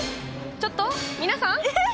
ちょっと皆さん？